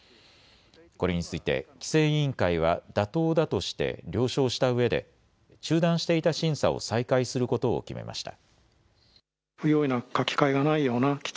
これについて規制委員会は妥当だとして了承したうえで中断していた審査を再開することを決めました。